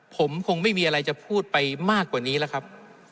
ผมคงไม่มีอะไรจะพูดไปมากกว่านี้แล้วครับ